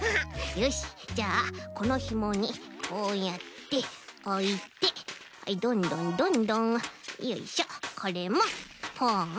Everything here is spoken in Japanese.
よしじゃあこのひもにこうやっておいてどんどんどんどんよいしょこれもポン。